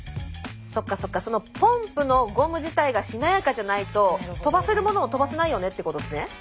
そっかそっかポンプのゴム自体がしなやかじゃないと飛ばせるものも飛ばせないよねってことですね？